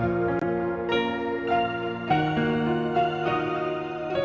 ini adalah cincin mendiang mama kamu